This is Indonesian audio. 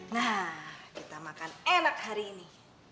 nah kita makan enak hari ini